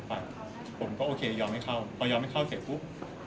พอยอมให้เข้าเสร็จปุ๊บ